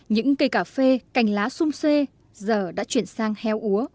những cây cà phê cành lá sung xê giờ đã chuyển sang heo úa